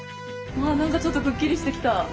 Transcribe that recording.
うわ何かちょっとくっきりしてきた！